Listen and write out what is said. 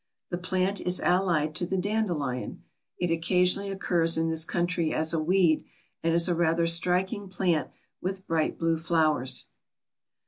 The plant is allied to the dandelion. It occasionally occurs in this country as a weed, and is a rather striking plant with bright blue flowers.